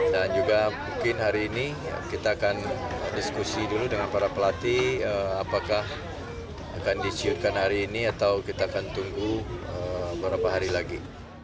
dan juga mungkin hari ini kita akan diskusi dulu dengan para pelatih apakah akan disiutkan hari ini atau kita akan tunggu beberapa hari lagi